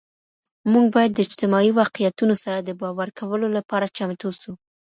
مونږ باید د اجتماعي واقعیتونو سره د باور کولو لپاره چمتو سو.